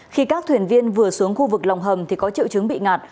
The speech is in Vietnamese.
khi các thuyền viên vừa xuống khu vực lòng hầm thì có triệu chứng bị ngạt